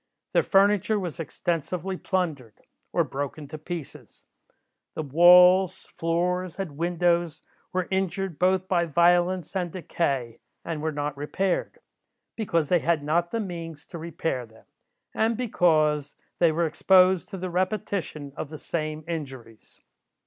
Their furniture was extensively plundered, or broken to pieces. The walls, floors, and windows were injured both by violence and decay, and were not repaired, because they had not the means to repair them, and because they were exposed to the repetition of the same injuries.